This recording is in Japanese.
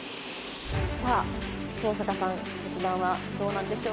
さあ東坂さん決断はどうなんでしょうか？